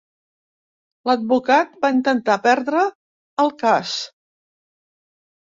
L'advocat va intentar perdre el cas.